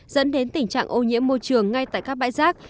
dẫn đến tình trạng ô nhiễm môi trường ngay tại các bãi rác